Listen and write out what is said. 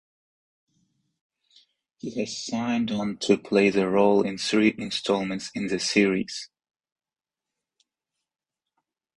He has signed on to play the role in three installments in the series.